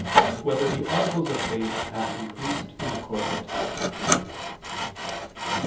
7] Whether the Articles of Faith Have Increased in Course of Time?